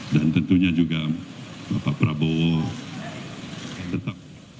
dan tentunya juga bapak prabowo